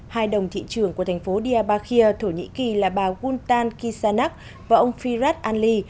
hai đồng thị trường của thành phố diabakir thổ nhĩ kỳ là bà wuntan kisanak và ông firat ali